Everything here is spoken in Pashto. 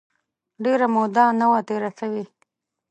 ډېره موده نه وه تېره سوې.